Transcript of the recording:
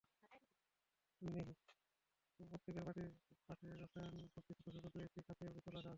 প্রত্যেকের বঁটির পাশে রসায়ন ভর্তি ছোট ছোট দু-একটি কাচের বোতল রাখা আছে।